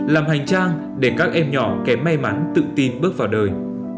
làm hành trang để các em nhỏ kém may mắn tự tin bước vào đời